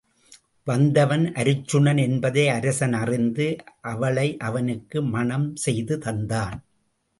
வந்தவன் அருச்சுனன் என்பதை அரசன் அறிந்து அவளை அவனுக்கு மணம் செய்து தந்தான்.